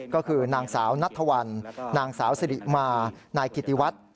ก็คือนางสาวนัทธวัลนางสาวสิริมานายกิติวัฒน์